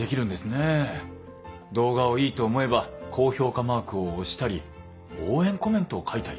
動画をいいと思えば高評価マークを押したり応援コメントを書いたり。